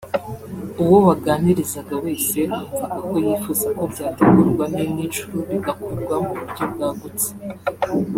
uwo waganirizaga wese wumvaga yifuza ko byategurwa n’indi nshuro bigakorwa mu buryo bwagutse